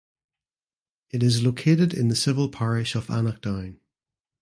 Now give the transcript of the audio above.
It is located in the civil parish of Annaghdown.